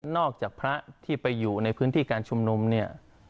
จากพระที่ไปอยู่ในพื้นที่การชุมนุมเนี่ย